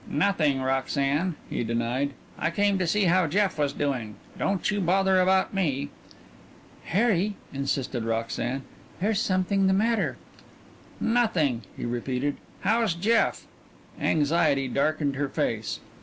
"Nothing, Roxanne," he denied. "I came to see how Jeff was doing. Don't you bother about me." "Harry," insisted Roxanne, "there's something the matter." "Nothing," he repeated. "How's Jeff?" Anxiety darkened her face.